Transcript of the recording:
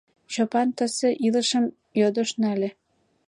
Чопан тысе илышым йодышт нале.